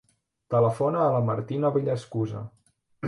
Telefona a la Martina Villaescusa.